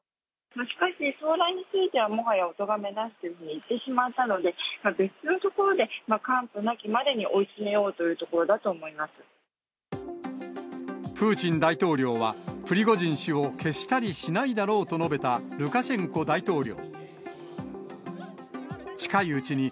しかし、騒乱についてはもはやおとがめなしというふうに言ってしまったので、別のところで、完膚なきまでに追い詰めようというところだとプーチン大統領は、プリゴジン氏を消したりしないだろうと述べたルカシェンコ大統領。